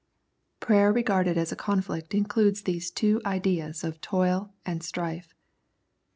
Prayer regarded as a conflict includes the two ideas of toil and strife.